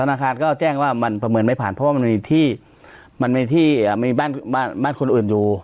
ธนาคารก็แจ้งว่ามันประเมินไม่ผ่านเพราะว่ามันมีที่มันมีที่มีบ้านบ้านคนอื่นอยู่